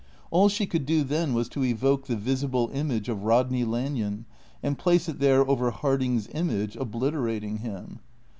All she could do then was to evoke the visible image of Rodney Lanyon and place it there over Harding's image, obliterating him.